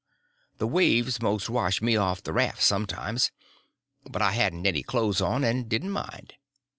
The waves most washed me off the raft sometimes, but I hadn't any clothes on, and didn't mind.